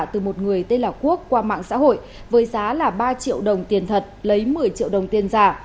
từ một người tên là quốc qua mạng xã hội với giá là ba triệu đồng tiền thật lấy một mươi triệu đồng tiền giả